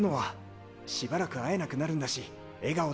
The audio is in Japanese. しばらく会えなくなるんだし笑顔で！